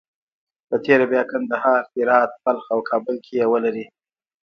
په تېره بیا کندهار، هرات، بلخ او کابل کې یې ولري.